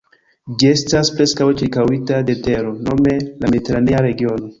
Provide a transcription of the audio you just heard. Ĝi estas preskaŭ ĉirkaŭita de tero, nome la Mediteranea regiono.